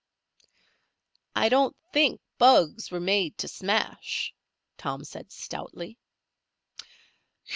"I don't think bugs were made to smash," Tom said stoutly.